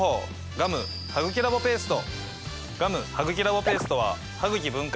ガム・ハグキラボペースト！